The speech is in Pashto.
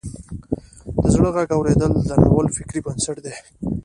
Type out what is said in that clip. د زړه غږ اوریدل د ناول فکري بنسټ دی.